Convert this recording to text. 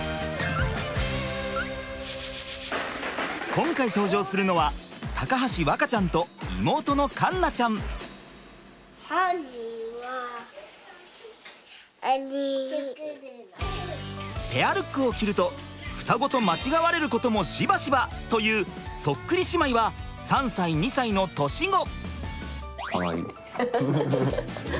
今回登場するのはペアルックを着ると双子と間違われることもしばしば！というそっくり姉妹は３歳２歳の年子！